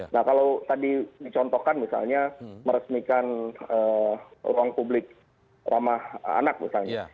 nah kalau tadi dicontohkan misalnya meresmikan ruang publik ramah anak misalnya